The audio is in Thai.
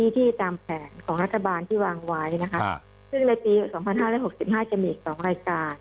ที่ตามแผนของรัฐบาลที่วางไว้นะคะซึ่งในปี๒๕๖๕จะมีอีก๒รายการ